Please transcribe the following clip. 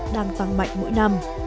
đang tăng mạnh mỗi năm